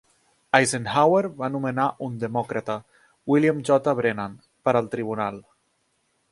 Eisenhower va nomenar un demòcrata, William J. Brennan, per al Tribunal.